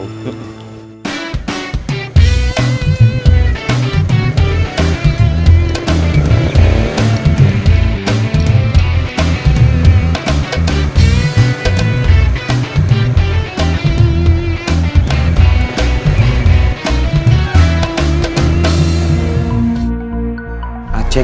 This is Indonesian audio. ah diam saja dia